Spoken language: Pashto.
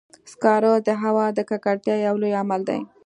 سکاره د هوا د ککړتیا یو لوی عامل دی.